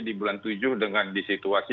di bulan tujuh dengan di situasi